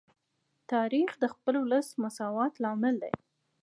تاریخ د خپل ولس د مساوات لامل دی.